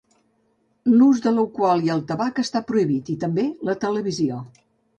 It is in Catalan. L'ús d'alcohol i tabac està prohibit, i també la televisió.